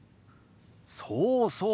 そうそう。